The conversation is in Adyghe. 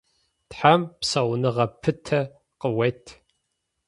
Тхьэм псауныгъэ пытэ къыует.